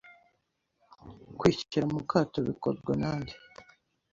kwishyira mu kato bikorwa nande